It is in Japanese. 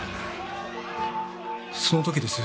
その時です。